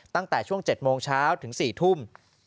ตั้งแต่ช่วง๗โมงเช้าถึง๔ทุ่ม